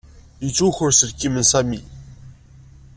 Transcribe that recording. Yettwaker uselkim n Sami.